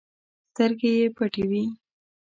سترګې یې پټې وي.